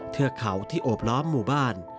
เทือกเขาที่โอบล้อมหมู่บ้าน